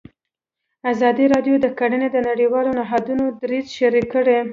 ازادي راډیو د کرهنه د نړیوالو نهادونو دریځ شریک کړی.